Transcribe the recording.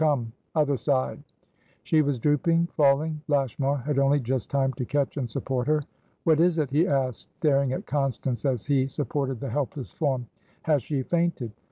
"Comeother side" She was drooping, falling. Lashmar had only just time to catch and support her. "What is it?" he asked, staring at Constance as he supported the helpless form. "Has she fainted?"